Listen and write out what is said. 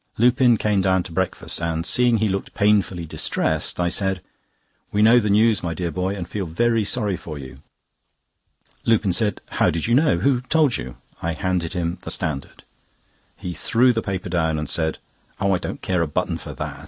Lupin came down to breakfast, and seeing he looked painfully distressed, I said: "We know the news, my dear boy, and feel very sorry for you." Lupin said: "How did you know? who told you?" I handed him the Standard. He threw the paper down, and said: "Oh I don't care a button for that!